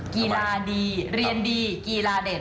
กีฬาดีเรียนดีกีฬาเด่น